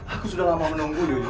aku sudah lama menunggu dulu